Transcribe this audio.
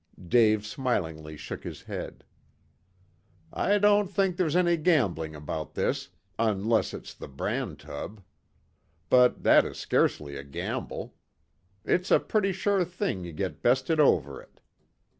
Dave smilingly shook his head. "I don't think there's any gambling about this unless it's the bran tub. But that is scarcely a gamble. It's a pretty sure thing you get bested over it.